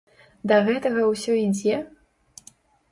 Да гэтага ўсё ідзе?